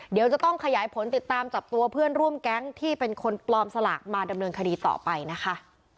เดี๋ยวจะต้องขยายผลติดตามจับตัวเพื่อนร่วมแก๊งที่เป็นคนปลอมสลากมาดำเนินคดีต่อไปนะคะ